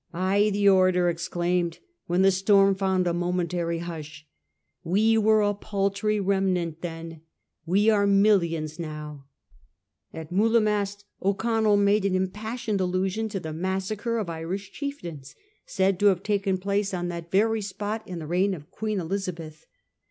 ' Ay,' the orator ex claim ed, when the storm found a momentary hush, 1 we were a paltry remnant then ; we are mil lions now.' At Mullaghmast, O'Connell made an im passioned allusion to the massacre of Irish chieftains, said to have taken place on that very spot in the VOL. i. u 290 A HISTORY OF OUE OWN TIMES. CII. XEI. reign of Queen Elizabeth.